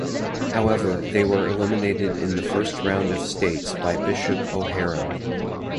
However, they were eliminated in the first round of states by Bishop O'Hara.